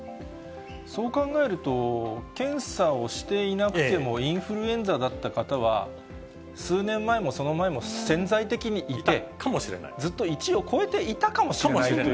そう考えると、検査をしていなくてもインフルエンザだった方は、数年前もその前も潜在的にいた、ずっと１を超えていたかもしれないと。